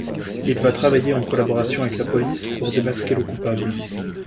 Il va travailler en collaboration avec la police pour démasquer le coupable...